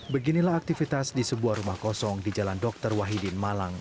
beginilah aktivitas di sebuah rumah kosong di jalan dr wahidin malang